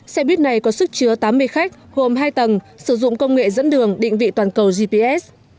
xe buýt này có sức chứa tám mươi khách gồm hai tầng sử dụng công nghệ dẫn đường định vị toàn cầu gps